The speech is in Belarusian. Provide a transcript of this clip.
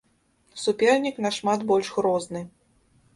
Супернік нашмат больш грозны.